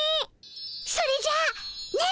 それじゃあねっ？